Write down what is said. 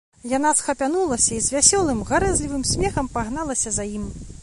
Яна схапянулася і з вясёлым, гарэзлівым смехам пагналася за ім.